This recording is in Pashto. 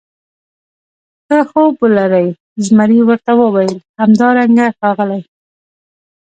ښه خوب ولرې، زمري ورته وویل: همدارنګه ښاغلی.